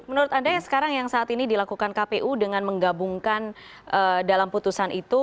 oke sekarang yang saat ini dilakukan kpu dengan menggabungkan dalam putusan itu